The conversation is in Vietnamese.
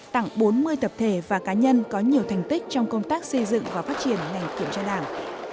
tặng bốn mươi tập thể và cá nhân có nhiều thành tích trong công tác xây dựng và phát triển ngành kiểm tra đảng